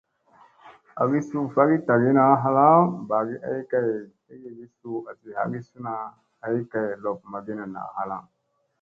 Agi suu vagii tagiina halaŋ ɓagi ay kay tlekyegi suu asi hagisuna ay kay lob magina na halaŋ.